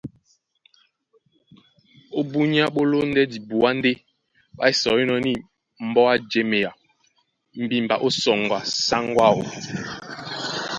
Ó búnyá ɓó lóndɛ́ dibuá ndé ɓá sɔínɔ̄ nîn mbɔ́ á jěmea mbimba ó sɔŋgɔ a sáŋgó áō.